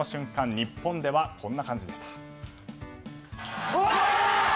日本ではこんな感じでした。